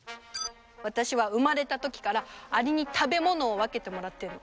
私は生まれたときからアリに食べ物を分けてもらってる。